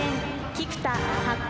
菊田発見。